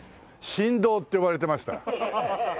「しんどう」って呼ばれてました。